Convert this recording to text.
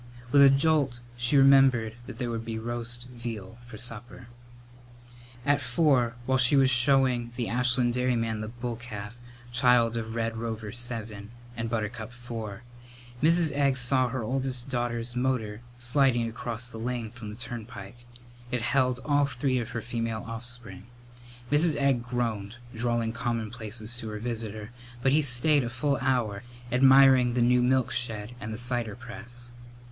With a jolt she remembered that there would be roast veal for supper. At four, while she was showing the Ashland dairyman the bull calf, child of Red Rover VII and Buttercup IV, Mrs. Egg saw her oldest daughter's motor sliding across the lane from the turnpike. It held all three of her female offspring. Mrs. Egg groaned, drawling commonplaces to her visitor, but he stayed a full hour, admiring the new milk shed and the cider press.